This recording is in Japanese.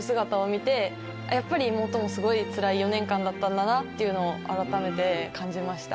やっぱり妹もすごいつらい４年間だったんだなっていうのを改めて感じました。